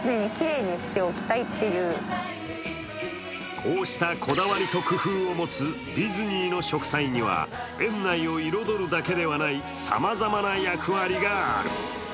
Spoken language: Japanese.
こうしたこだわりと工夫を持つディズニーの植栽には園内を彩るだけではないさまざまな役割がある。